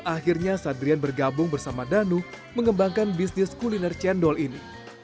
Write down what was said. akhirnya sadrian bergabung bersama danu mengembangkan bisnis kuliner cendol ini